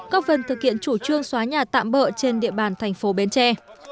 có phần thực hiện chủ trương xóa nhà tạm bỡ trên địa bàn thành phố bến tre